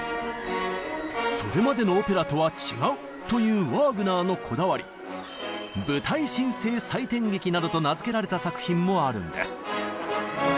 それまでの「オペラ」とは違うというワーグナーのこだわりなどと名付けられた作品もあるんです。